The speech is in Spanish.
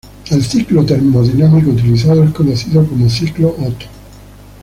El ciclo termodinámico utilizado es conocido como Ciclo Otto.